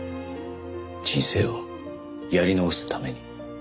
人生をやり直すために。